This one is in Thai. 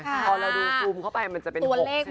พอเราดูซูมเข้าไปมันจะเป็น๖ใช่ไหม